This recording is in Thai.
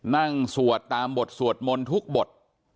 สวดตามบทสวดมนต์ทุกบท